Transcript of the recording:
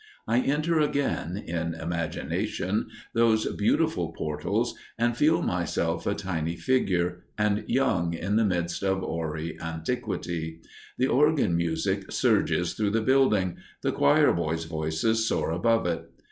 I enter again, in imagination, those beautiful portals, and feel myself a tiny figure, and young in the midst of hoary antiquity. The organ music surges through the building, the choir boys' voices soar above it.